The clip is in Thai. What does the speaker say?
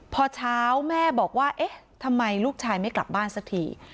พอเช้าแม่บอกว่าเอ๊ะทำไมลูกชายไม่กลับบ้านสักที